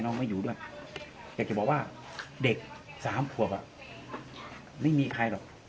ไม่อยู่ด้วยอยากจะบอกว่าเด็กสามขวบไม่มีใครหรอก